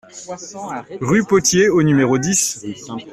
Rue Potier au numéro dix